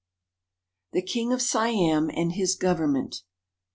THE KING OF SIAM AND HIS GOVERN MENT.